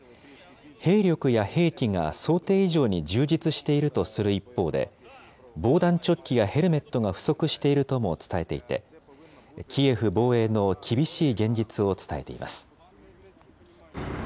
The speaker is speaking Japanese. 兵力や兵器が想定以上に充実しているとする一方で、防弾チョッキやヘルメットが不足しているとも伝えていて、キエフ防衛の厳しい現実を伝えています。